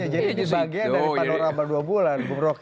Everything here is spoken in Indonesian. jadi ini bagian dari panorama dua bulan